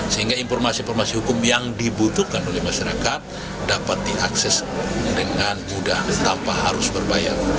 sehingga informasi informasi hukum yang dibutuhkan oleh masyarakat dapat diakses dengan mudah tanpa harus berbayar